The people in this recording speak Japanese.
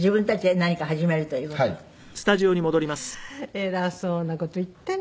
偉そうな事言ってね。